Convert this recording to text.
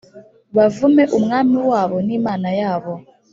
bavume umwami wabo n’Imana yabo.